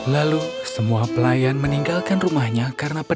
dan suatu hari takdirnya berubah